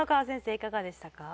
いかがでしたか？